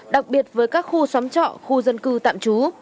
đặc biệt với các khu xóm trọ khu dân cư tạm trú